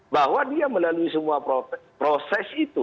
bahwa dia melalui semua proses itu